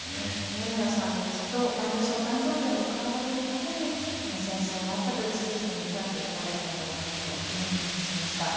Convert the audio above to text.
米田さんもきっと毎年、お誕生日を迎えられるたびに戦争があったという事実と向き合ってこられたんだろうなと感じました。